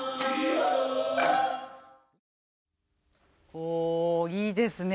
ほういいですね。